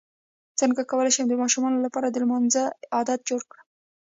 څنګه کولی شم د ماشومانو لپاره د لمانځه عادت جوړ کړم